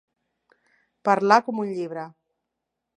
Parlar com un llibre.